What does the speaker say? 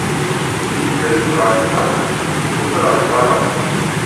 Yedda Yuba ar ṭṭaq imuqel ar berra.